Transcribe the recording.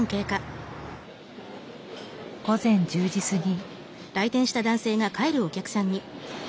午前１０時過ぎ。